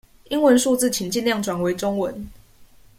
英文數字請盡量轉為中文